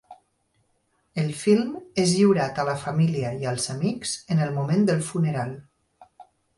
El film és lliurat a la família i als amics en el moment del funeral.